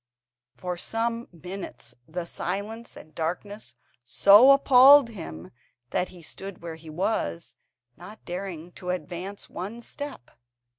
For some minutes the silence and darkness so appalled him that he stood where he was, not daring to advance one step.